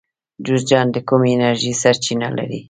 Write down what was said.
جوزجان د کومې انرژۍ سرچینه لري؟